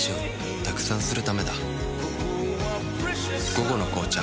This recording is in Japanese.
「午後の紅茶」